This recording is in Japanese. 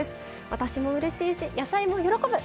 私もうれしいし野菜も喜ぶ！